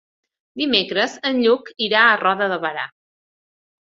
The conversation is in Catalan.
Dimecres en Lluc irà a Roda de Berà.